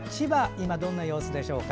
今どんな様子でしょうか。